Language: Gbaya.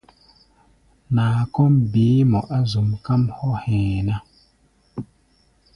Naa kɔ́ʼm beé mɔ á zuʼm, káʼm hɔ́ hɛ̧ɛ̧ ná.